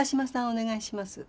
お願いします。